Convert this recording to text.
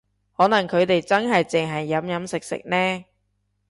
可能佢哋真係淨係飲飲食食呢